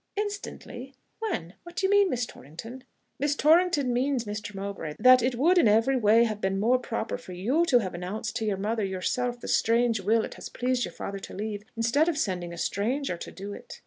"Instantly?... When?... What do you mean, Miss Torrington?" "Miss Torrington means, Mr. Mowbray, that it would in every way have been more proper for you to have announced to your mother yourself the strange will it has pleased your father to leave, instead of sending a stranger to do it."